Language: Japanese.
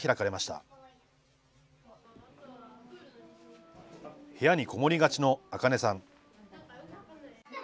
あ部屋に籠もりがちのあかねさん。